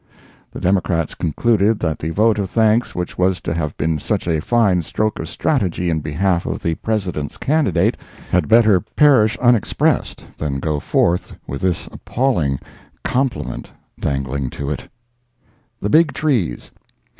The Democrats concluded that the vote of thanks which was to have been such a fine stroke of strategy in behalf of the President's candidate had better perish unexpressed than go forth with this appalling compliment dangling to it. The Big Trees.